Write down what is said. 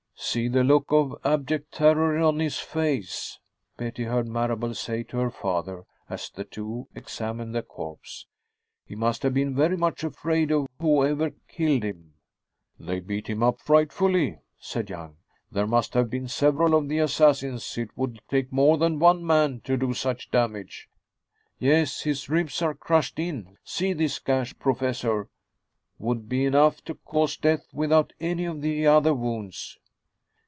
"See the look of abject terror on his face," Betty heard Marable say to her father as the two examined the corpse. "He must have been very much afraid of whoever killed him." "They beat him up frightfully," said Young. "There must have been several of the assassins; it would take more than one man to do such damage." "Yes. His ribs are crushed in see, this gash, Professor, would be enough to cause death without any of the other wounds."